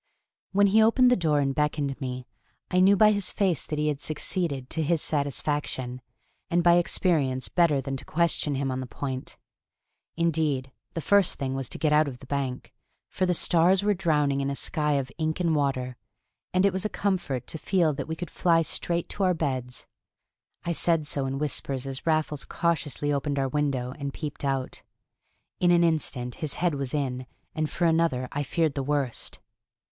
When he opened the door and beckoned to me, I knew by his face that he had succeeded to his satisfaction, and by experience better than to question him on the point. Indeed, the first thing was to get out of the bank; for the stars were drowning in a sky of ink and water, and it was a comfort to feel that we could fly straight to our beds. I said so in whispers as Raffles cautiously opened our window and peeped out. In an instant his head was in, and for another I feared the worst.